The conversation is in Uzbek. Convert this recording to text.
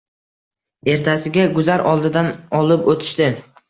Ertasiga guzar oldidan olib o‘tishdi.